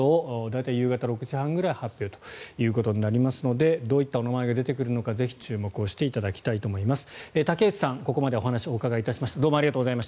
大体、夕方６時半くらいに発表となりますのでどういったお名前が出てくるのかぜひ注目していただきたいと思います。